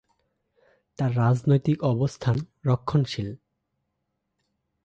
তার রাজনৈতিক অবস্থান রক্ষণশীল।